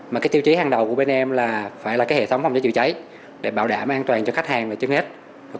mà cái tiêu chí hàng đầu của bên em là phải là cái hệ thống phòng cháy chữa cháy để bảo đảm an toàn cho khách hàng là trên hết